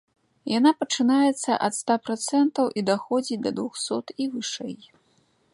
Яна пачынаецца ад ста працэнтаў і даходзіць да двухсот і вышэй.